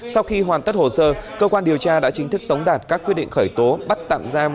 sau khi hoàn tất hồ sơ cơ quan điều tra đã chính thức tống đạt các quyết định khởi tố bắt tạm giam